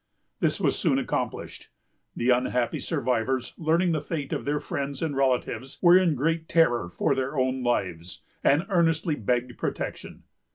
This was soon accomplished. The unhappy survivors, learning the fate of their friends and relatives, were in great terror for their own lives, and earnestly begged protection.